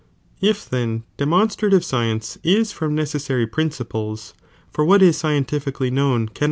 If then demonstrative science ia from necessary tion ! irue ds principles, (for what is scientifically known cannot ml?